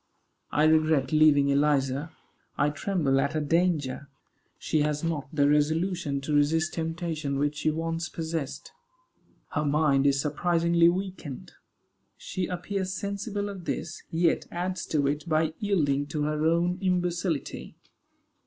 I regret leaving Eliza. I tremble at her danger. She has not the resolution to resist temptation which she once possessed. Her mind is surprisingly weakened. She appears sensible of this, yet adds to it by yielding to her own imbecility.